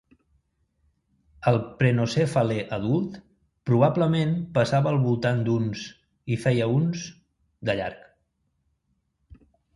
El "Prenocephale" adult probablement pesava al voltant d'uns (...) i feia uns (...) de llarg.